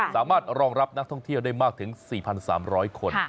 สามารถรองรับนักท่องเที่ยวได้มากถึง๔๓๐๐คน